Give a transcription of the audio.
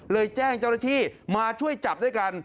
แจ้งเจ้าหน้าที่มาช่วยจับด้วยกัน